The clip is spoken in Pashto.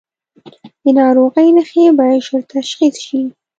د ناروغۍ نښې باید ژر تشخیص شي.